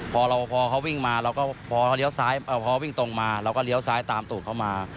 พอเขาวิ่งมาพอเขาวิ่งตรงมาเราก็เลี้ยวซ้ายตามตูดเขามา